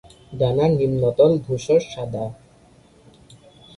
ডানার নিম্নতল ধূসর সাদা।